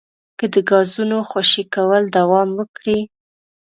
که د ګازونو خوشې کول دوام وکړي